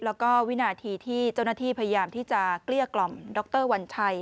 แล้วก็วินาทีที่เจ้าหน้าที่พยายามที่จะเกลี้ยกล่อมดรวัญชัย